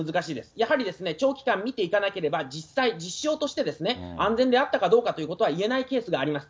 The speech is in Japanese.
やはり長期間、見ていかなければ実際、実証として安全であったかどうかということは言えないケースがあります。